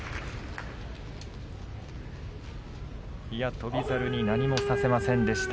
翔猿に何もさせませんでした。